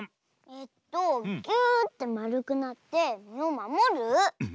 えっとギューッてまるくなってみをまもる？